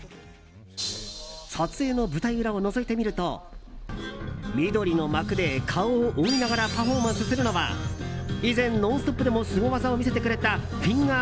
撮影の舞台裏をのぞいてみると緑の幕で顔を覆いながらパフォーマンスするのは以前、「ノンストップ！」でもスゴ技を見せてくれたフィンガー